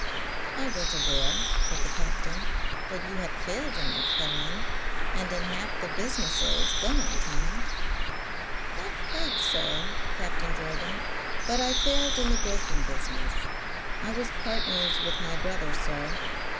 "I was aware," said the captain, "that you had failed in that calling, and in half the businesses going, Tom." "Not quite so, Captain Jorgan; but I failed in the broking business. I was partners with my brother, sir.